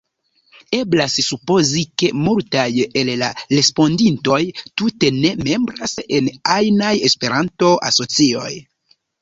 Eblas supozi, ke multaj el la respondintoj tute ne membras en ajnaj Esperanto-asocioj.